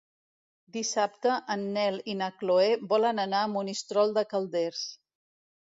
Dissabte en Nel i na Chloé volen anar a Monistrol de Calders.